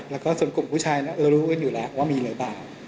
แล้วก็ส่วนกลุ่มผู้ชายเรารู้กันอยู่แล้วว่ามีหรือเปล่า